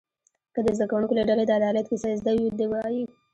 که د زده کوونکو له ډلې د عدالت کیسه زده وي و دې وایي.